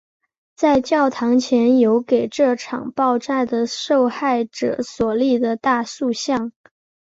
在教堂前有给这场爆炸的受害者所立的大塑像。